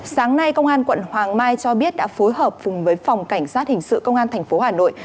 sáng nay công an quận hoàng mai cho biết đã phối hợp cùng với phòng cảnh sát hình sự công an tp hà nội